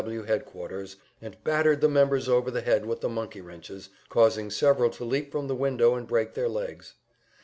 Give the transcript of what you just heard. W. headquarters, and battered the members over the head with the monkey wrenches, causing several to leap from the window and break their legs.